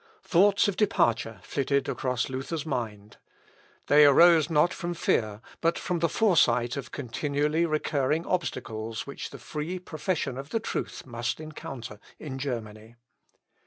Thoughts of departure flitted across Luther's mind. They arose not from fear, but from the foresight of continually recurring obstacles which the free profession of the truth must encounter in Germany.